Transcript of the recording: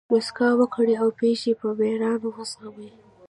مسکا وکړئ! او پېښي په مېړانه وزغمئ!